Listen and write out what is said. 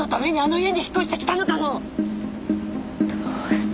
どうして？